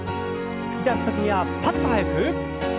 突き出す時にはパッと速く。